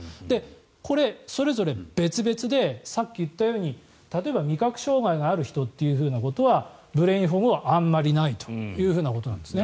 これ、それぞれ別々でさっき言ったように例えば、味覚障害がある人はブレインフォグはあまりないということなんですね。